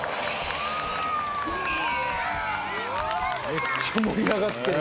めっちゃ盛り上がってる。